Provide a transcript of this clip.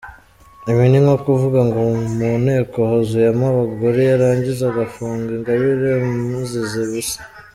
Ibi ninko kuvuga ngo mu nteko huzuyemo abagore yarangiza agafunga Ingabire amuziza ubusa.